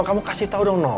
kamu kasih tau dong